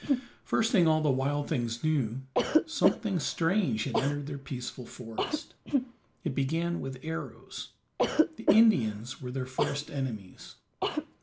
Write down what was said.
First thing all the wild things knew, something strange had entered their peaceful forest. It began with arrows; the Indians were their first enemies.